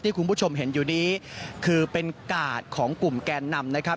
คุณผู้ชมเห็นอยู่นี้คือเป็นกาดของกลุ่มแกนนำนะครับ